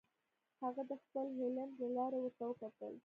هغه د خپل هیلمټ له لارې ورته وکتل